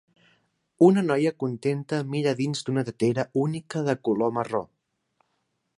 Una noia contenta mira dins d'una tetera única de color marró